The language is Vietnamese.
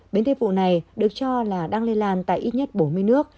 biến thể vụ này được cho là đang lây lan tại ít nhất bốn mươi nước